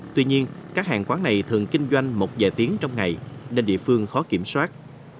tuy nhiên các hàng quán này thường kinh doanh một vài tiếng trong ngày nên địa phương khó kiểm soát